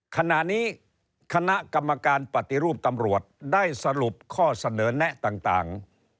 ขณะนี้คณะกรรมการปฏิรูปตำรวจได้สรุปข้อเสนอแนะต่าง